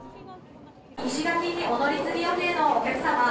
石垣にお乗り継ぎ予定のお客様。